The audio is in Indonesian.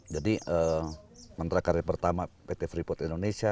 jadi kontrak karya pertama pt free port indonesia